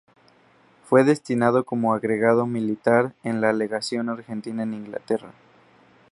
Fue destinado como agregado militar en la legación argentina en Inglaterra.